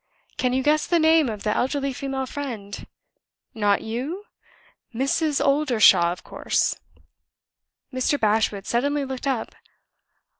Can you guess the name of the elderly female friend? Not you! Mrs. Oldershaw, of course!" Mr. Bashwood suddenly looked up.